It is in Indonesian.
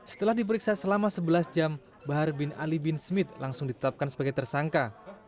setelah diperiksa selama sebelas jam bahar bin ali bin smith langsung ditetapkan sebagai tersangka